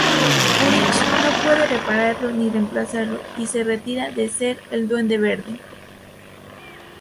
Urich no puede repararlo ni reemplazarlo y se retira de ser el Duende Verde.